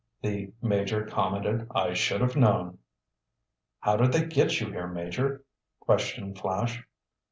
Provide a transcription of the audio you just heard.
the Major commented. "I should have known!" "How did they get you here, Major?" questioned Flash.